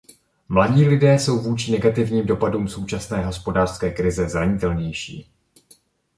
Mladí lidé jsou vůči negativním dopadům současné hospodářské krize zranitelnější.